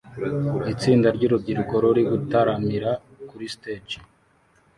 Itsinda ryurubyiruko ruri gutaramira kuri stage